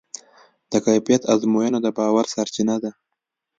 د کیفیت ازموینه د باور سرچینه ده.